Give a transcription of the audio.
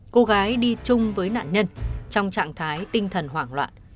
cô gái đi chung với nạn nhân trong trạng thái tinh thần hoảng loạn